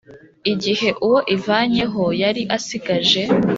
Igihe Uwo Ivanyeho Yari Asigaje